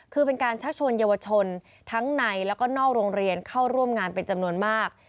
คือเป็นการชักชวนเยาวชนทั้งในแล้วก็นอกโรงเรียนเข้าร่วมงานเป็นจำนวนมาก